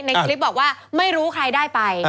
ในคลิปบอกว่าไม่รู้ใครได้ไป